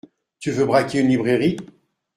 Tu veux braquer une librairie ?